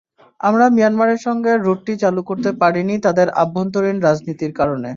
আমরা মিয়ানমারের সঙ্গে রুটটি চালু করতে পারিনি তাদের অভ্যন্তরীণ রাজনীতির কারণে।